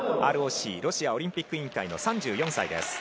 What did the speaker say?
ＲＯＣ・ロシアオリンピック委員会の３４歳。